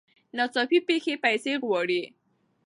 ناڅاپي پېښې پیسې غواړي.